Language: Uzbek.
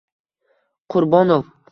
Qurbonov